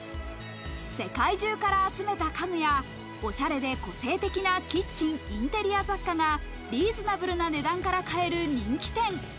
世界中から集めた家具やおしゃれで個性的なキッチン・インテリア雑貨がリーズナブルな値段から買える人気店。